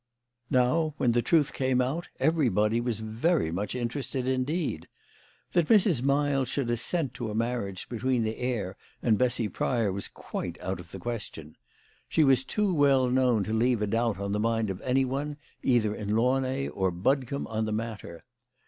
Now, when the truth came out, everybody was very much interested indeed. That Mrs. Miles should assent to a marriage THE LADY OF LAUNAY. 133 between the heir and Bessy Pryor was quite out of the question. She was too well known to leave a doubt on the mind of anyone either in Launay or Bud combe on that matter.